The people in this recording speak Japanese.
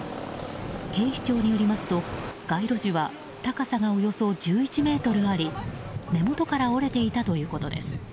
警視庁によりますと街路樹は高さがおよそ１１ｍあり根元から折れていたということです。